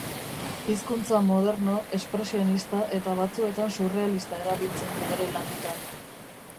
Hizkuntza moderno, expresionista eta batzuetan surrealista erabiltzen du bere lanetan.